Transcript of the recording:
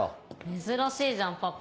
珍しいじゃんパパ。